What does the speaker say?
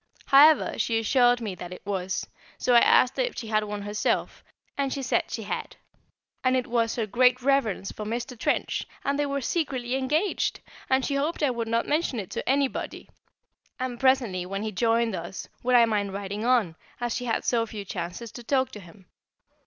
However, she assured me that it was, so I asked her if she had one herself, and she said she had, and it was her great reverence for Mr. Trench, and they were secretly engaged! and she hoped I would not mention it to anybody; and presently, when he joined us, would I mind riding on, as she had so few chances to talk to him?